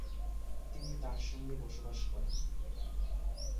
তিনি তার সঙ্গে বসবাস করেন।